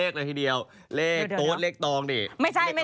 ครับเดี๋ยวจะได้